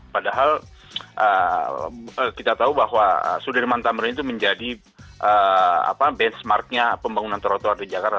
padahal kita tahu bahwa sudirman tamrin itu menjadi benchmarknya pembangunan trotoar di jakarta